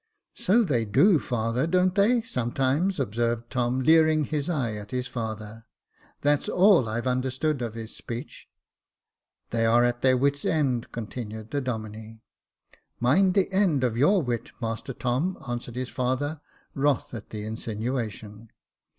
"" So they do, father, don't they, sometimes ?" observed Tom, leering his eye at his father. "That's all I've under stood of his speech." *' They are at their wit's end," continued the Domine. Mind the end of your wit, master Tom," answered his father, wroth at the insinuation.